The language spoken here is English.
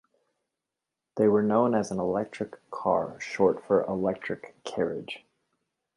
They were known as an electric car (short for electric carriage).